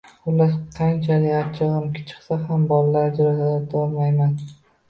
Xullas, qanchalik achchig`im chiqsa ham bolalarni ajratolmayman